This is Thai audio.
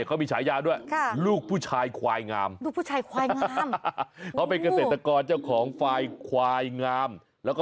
โอ้เขาแกร่รักของแกมาก